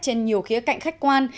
trên nhiều khía cạnh khách quan